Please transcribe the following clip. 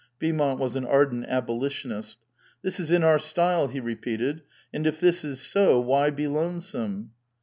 Beaumont was an ardent abolitionist. "This is in our style," he re peated ; ''and if this is so, why be lonesome?"